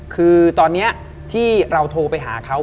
คือตอนนี้ที่เราโทรไปหาเขา